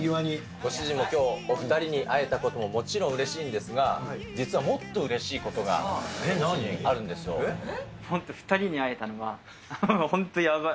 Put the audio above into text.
ご主人もきょう、お２人に会えたことももちろんうれしいんですが、実はもっと嬉しいことがあ本当、２人に会えたのは、本当やばい。